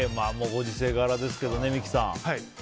ご時世柄ですけど、三木さん。